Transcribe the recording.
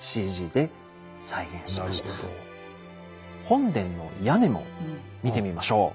本殿の屋根も見てみましょう。